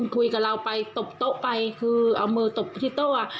คุยกับเราไปตบโต๊ะไปคือเอามือตบที่โต๊ะ